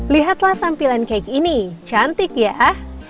lihatlah tampilan cake ini cantik ya ah